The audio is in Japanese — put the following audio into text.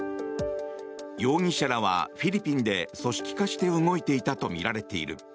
容疑者らはフィリピンで組織化して動いていたとみられている。